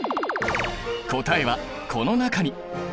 答えはこの中に。